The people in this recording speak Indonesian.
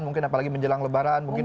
mungkin apalagi menjelang lebaran mungkin